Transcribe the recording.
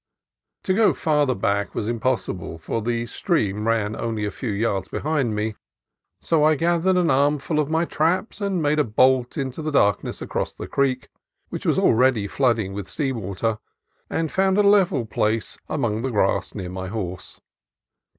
To go farther back was impossible, for the stream ran only a few yards behind me, so I gathered an armful of my traps and made a bolt in the darkness across the creek, which was already flooding with sea water, and found a level place among the grass near my horse.